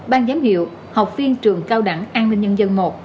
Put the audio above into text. ban giám hiệu học viên trường cao đẳng an ninh nhân dân i